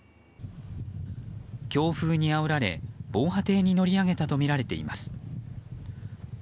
強風にあおられ防波堤に乗り上げたとみられています。